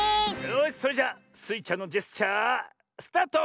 よしそれじゃスイちゃんのジェスチャースタート！